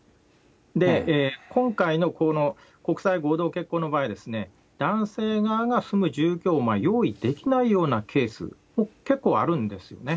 で、今回のこの国際合同結婚の場合、男性側が住む住居を用意できないようなケース、結構あるんですよね。